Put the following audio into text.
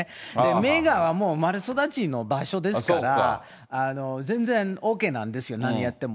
メーガンはもう生まれ育ちの場所ですから、全然ＯＫなんですよ、何やっても。